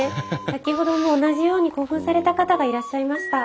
先ほども同じように興奮された方がいらっしゃいました。